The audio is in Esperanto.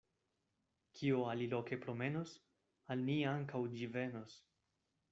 Kio aliloke promenos, al ni ankaŭ ĝi venos.